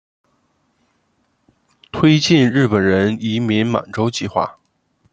推进日本人移民满洲计划。